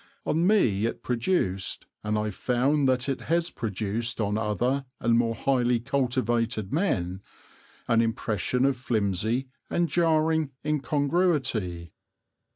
On me it produced, and I found that it has produced on other and more highly cultivated men, an impression of flimsy and jarring incongruity.